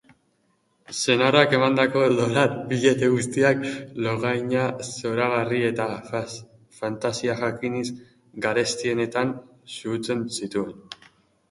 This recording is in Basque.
Senarrak emandako dolar-billete guztiak longaina zoragarri eta fantasia-janzki garestienetan xahutzen zituen.